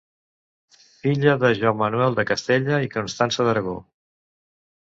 Filla de Joan Manuel de Castella i Constança d'Aragó.